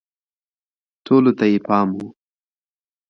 ټولو ته یې پام و